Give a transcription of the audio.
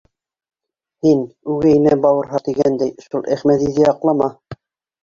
— Һин, үгәй инә бауырһаҡ тигәндәй, шул Әхмәҙиҙе яҡлама.